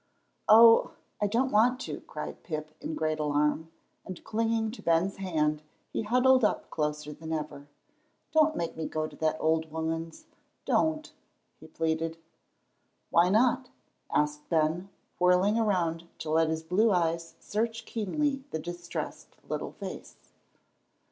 "Oh, I don't want to," cried Pip, in great alarm, and, clinging to Ben's hand, he huddled up closer than ever. "Don't make me go to that old woman's; don't," he pleaded. "Why not?" asked Ben, whirling him around to let his blue eyes search keenly the distressed little face.